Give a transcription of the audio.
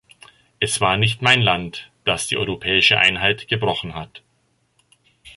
Es war nicht mein Land, das die europäische Einheit gebrochen hat.